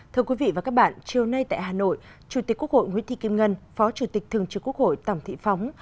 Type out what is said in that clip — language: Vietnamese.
thưa quý vị và các bạn chiều nay tại hà nội chủ tịch quốc hội nguyễn thị kim ngân phó chủ tịch thường trực quốc hội tổng thị phóng